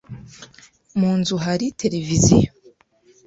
Mu nzu hari televiziyo?